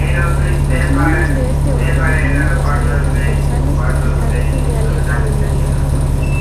Los miembros de este orden tienen dos aletas dorsales, y carecen de aleta anal.